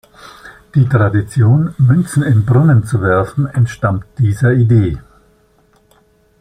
Die Tradition, Münzen in Brunnen zu werfen, entstammt dieser Idee.